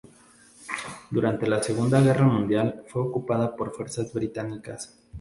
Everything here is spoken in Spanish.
Durante la Segunda Guerra Mundial, fue ocupada por fuerzas británicas.